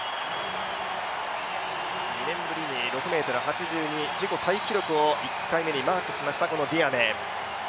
２年ぶりの６ｍ８２、自己タイ記録を１回目にマークしましたディアメ。